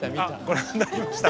ご覧になりました？